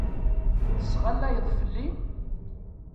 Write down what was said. Tesɣallayeḍ fell-i?